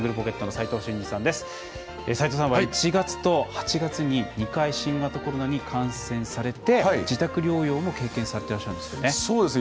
斉藤さんは、１月と８月に２回、新型コロナに感染されて自宅療養も経験されてらっしゃるんですよね。